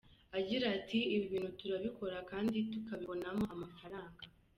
Agira ati “Ibi bintu turabikora kandi tukabibonamo amafaranga.